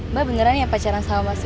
mbak beneran ya pacaran sama mas